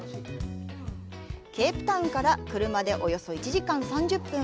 ケープタウンから車でおよそ１時間３０分。